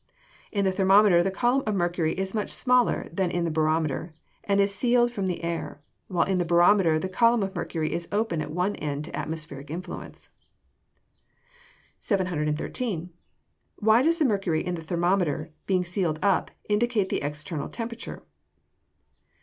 _ In the thermometer the column of mercury is much smaller than in the barometer, and is sealed from the air; while in the barometer the column of mercury is open at one end to atmospheric influence. 713. _Why does the mercury in the thermometer, being sealed up, indicate the external temperature?